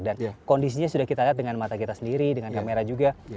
dan kondisinya sudah kita lihat dengan mata kita sendiri dengan kamera juga